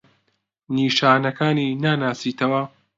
نیشانەکانی ناناسیتەوە؟